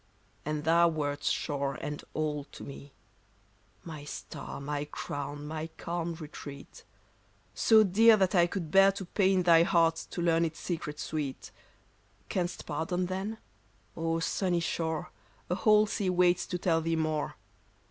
And thou wert shore and all to me ; My star, my crown, my calm retreat ; So dear that I could bear to pain Thy heart to learn its secret sweet. Canst pardon then ? O sunny shore, A whole sea waits to tell thee more..